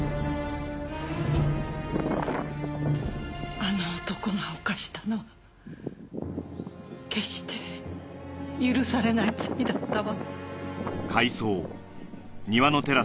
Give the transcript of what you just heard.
あの男が犯したのは決して許されない罪だったわ。